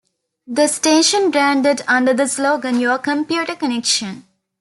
The station branded under the slogan "Your Computer Connection".